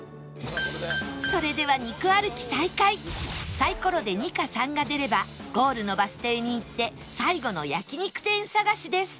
それでは肉歩き再開サイコロで２か３が出ればゴールのバス停に行って最後の焼肉店探しです